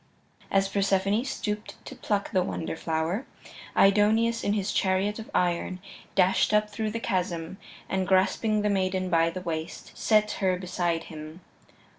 As Persephone stooped to pluck the wonder flower, Aidoneus, in his chariot of iron, dashed up through the chasm, and grasping the maiden by the waist, set her beside him.